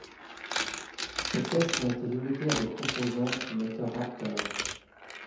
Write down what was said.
Ces tests ont été limités à des composants du moteur Raptor.